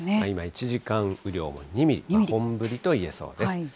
今、１時間雨量も２ミリ、本降りといえそうです。